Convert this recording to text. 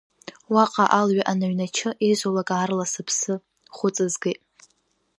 Уаҟа алҩа аныҩначы, изулак, аарла сыԥсы хәыҵызгеит.